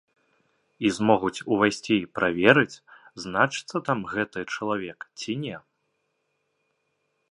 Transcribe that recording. І змогуць увайсці і праверыць, значыцца там гэты чалавек ці не.